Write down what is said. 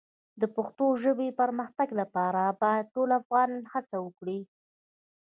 د پښتو ژبې د پرمختګ لپاره باید ټول افغانان هڅه وکړي.